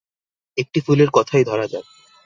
একটি ফুলের কথাই ধরা যাক।